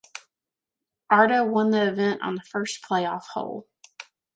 Arda won the event on the first playoff hole.